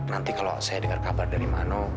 nanti kalau saya dengar kabar dari mana